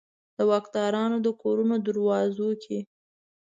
د واکدارانو د کورونو دروازو کې